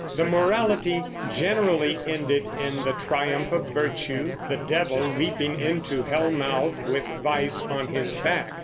The Morality generally ended in the triumph of virtue, the devil leaping into hell mouth with Vice on his back.